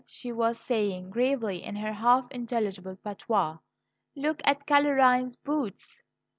she was saying gravely in her half intelligible patois: "Look at Caroline's boots!"